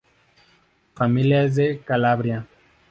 Su familia es de Calabria.